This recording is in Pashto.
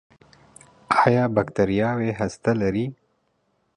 ایا بکتریاوې هسته لري؟